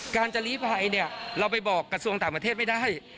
การจะลีภัยเนี่ยเราไปบอกกระทรวงต่างประเทศไม่ได้